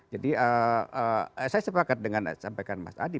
jadi saya sepakat dengan sampaikan mas adi